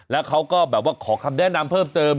แล้วเขาก็แบบว่าขอคำแนะนำเพิ่มเติม